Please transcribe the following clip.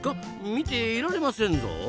見ていられませんぞ。